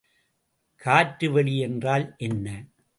காற்றுவெளி என்றால் என்ன?